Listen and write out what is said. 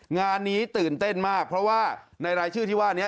งานนี้ตื่นเต้นมากเพราะว่าในรายชื่อที่ว่านี้